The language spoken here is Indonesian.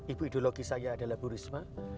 ibu ideologi saya adalah bu risma